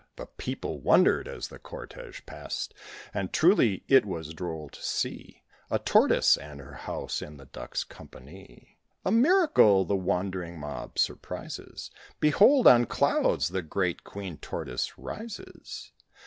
The people wondered as the cortège passed, And truly it was droll to see A Tortoise and her house in the Ducks' company. "A miracle!" the wondering mob surprises: "Behold, on clouds the great Queen Tortoise rises!"